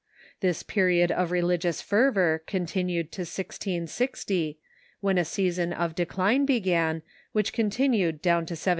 This period of religious fervor con tinued to 1600, when a season of decline began, which contin ued down to 1720.